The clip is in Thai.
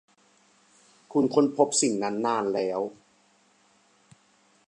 คุณค้นพบสิ่งนั้นนานแล้ว